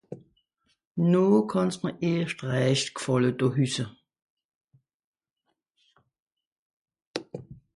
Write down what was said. No kànn's mìr erscht rächt gfàlle do hüsse